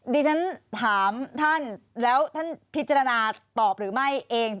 ดิฉันถามท่านแล้วท่านพิจารณาตอบหรือไม่เอง